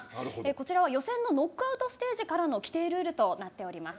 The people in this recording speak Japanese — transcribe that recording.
こちらは予選のノックアウトステージからの規定ルールとなっております。